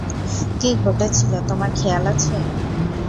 কী ঘটেছিল তোমার খেয়াল আছে?